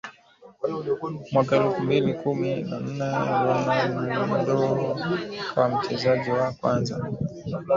Mwaka elfu mbili kumi na nne Ronaldo akawa mchezaji wa kwanza